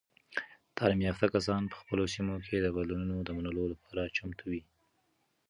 تعلیم یافته کسان په خپلو سیمو کې د بدلونونو د منلو لپاره چمتو وي.